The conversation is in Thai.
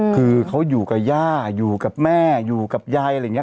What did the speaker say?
คือเขาอยู่กับย่าอยู่กับแม่อยู่กับยายอะไรอย่างนี้